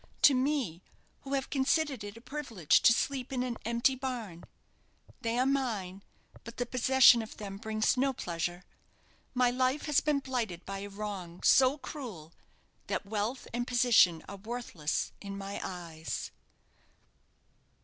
to me, who have considered it a privilege to sleep in an empty barn! They are mine; but the possession of them brings no pleasure. My life has been blighted by a wrong so cruel, that wealth and position are worthless in my eyes."